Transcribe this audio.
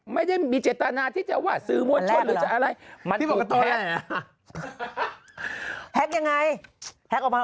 ไม่ได้มีเจตนาที่จะแบบว่า